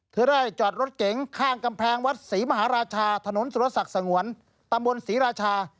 เธอได้จอดรถเก๋งข้างกำแพงวัดศรีมหาราชาถนนสุรศักดิ์สงวนตำบลศรีราชา